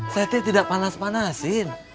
sete tidak panas panasin